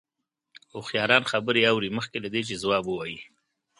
هوښیاران خبرې اوري مخکې له دې چې ځواب ووايي.